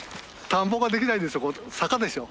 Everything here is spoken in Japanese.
田んぼができないんですよ。